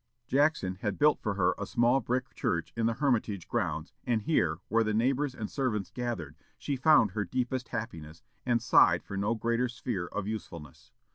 Jackson had built for her a small brick church in the Hermitage grounds, and here, where the neighbors and servants gathered, she found her deepest happiness, and sighed for no greater sphere of usefulness.